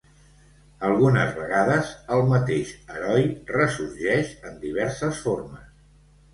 Algunes vegades el mateix heroi ressorgeix en diverses formes.